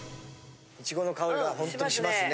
イチゴの香りがほんとしますね。